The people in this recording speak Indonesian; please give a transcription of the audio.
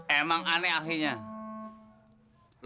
mereka akan mencari teman